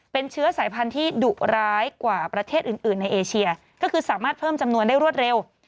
เป็นเชื้อสายพันธุ์ที่ดุร้ายกว่าประเทศอื่นในเอเชียก็คือสามารถเพิ่มจำนวนได้รวดเร็ว